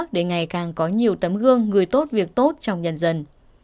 để ngày càng có nhiều tấm gương người tốt việc tốt trong nhân dân